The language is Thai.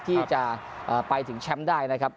ที่จะไปถึงแชมป์ได้นะครับ